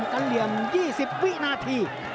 กะเหลี่ยม๒๐วินาที